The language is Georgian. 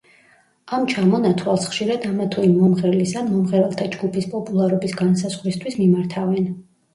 ამ ჩამონათვალს ხშირად ამა თუ იმ მომღერლის ან მომღერალთა ჯგუფის პოპულარობის განსაზღვრისთვის მიმართავენ.